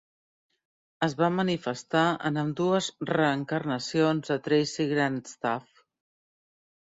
Es va manifestar en ambdues reencarnacions de Tracy Grandstaff.